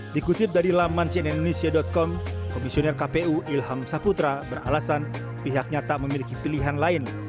dikutip dari laman cnnindonesia com komisioner kpu ilham saputra beralasan pihaknya tak memiliki pilihan lain